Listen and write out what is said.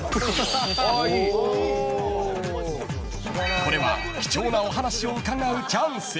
これは貴重なお話を伺うチャンス。